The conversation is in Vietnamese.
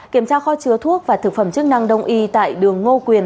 kiểm tra kho chứa thuốc và thực phẩm chức năng đông y tại đường ngô quyền